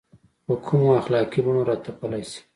په کومو اخلاقي بڼو راتپلی شي.